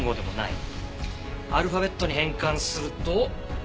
アルファベットに変換すると。